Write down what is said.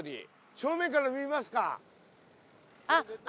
正面から見ますか？